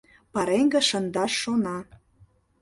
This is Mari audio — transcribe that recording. Пареҥге шындаш шона.